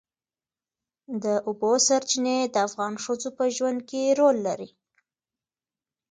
د اوبو سرچینې د افغان ښځو په ژوند کې رول لري.